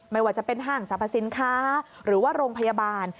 ไม่ว่าจะเป็นห้างสรรพสินค้าหรือว่าโรงพยาบาล